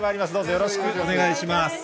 よろしくお願いします。